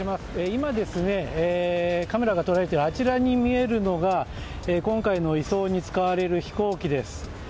今、カメラが捉えているあちらに見えるのが今回の移送に使われる飛行機です。